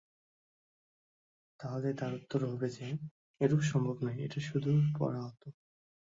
তা হলে তার উত্তর হবে যে, এরূপ সম্ভব নয়, এটা সুদূর পরাহত।